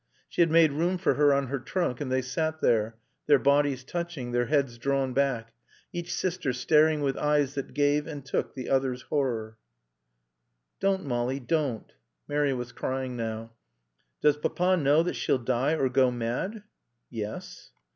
She had made room for her on her trunk and they sat there, their bodies touching, their heads drawn back, each sister staring with eyes that gave and took the other's horror. "Don't, Molly, don't " Mary was crying now. "Does Papa know that she'll die or go mad?" "Yes."